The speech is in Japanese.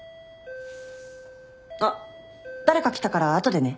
・あっ誰か来たから後でね。